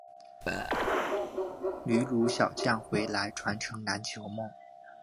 旅陆小将回来传承篮球梦